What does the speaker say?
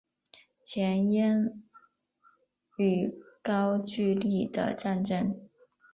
前燕与高句丽的战争